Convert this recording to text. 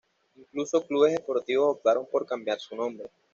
Incluso clubes deportivos optaron por cambiar su nombre.